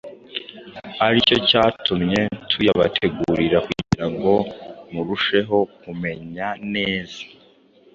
aricyo cyatumye tuyabategurira kugira ngo murusheho kumumenya neza.